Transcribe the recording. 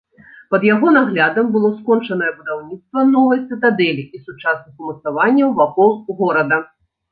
Пад яго наглядам было скончанае будаўніцтва новай цытадэлі і сучасных умацаванняў вакол горада.